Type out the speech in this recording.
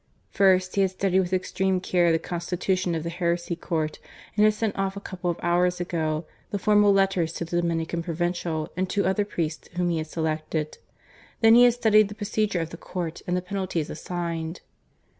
First, he had studied with extreme care the constitution of the Heresy Court, and had sent off a couple of hours ago the formal letters to the Dominican Provincial and two other priests whom he had selected. Then he had studied the procedure of the court, and the penalties assigned.